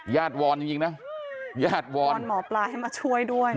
ญาติวอนจริงนะวอนหมอปลาให้มาช่วยด้วย